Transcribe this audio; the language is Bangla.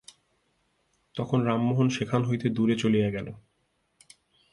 তখন রামমোহন সেখান হইতে দূরে চলিয়া গেল।